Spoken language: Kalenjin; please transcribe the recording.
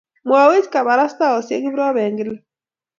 Mwaiwech kabarostoisyek Kiprop eng' gila.